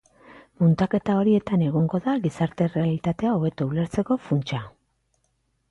Muntaketa horietan egongo da gizarte errealitatea hobeto ulertzeko funtsa.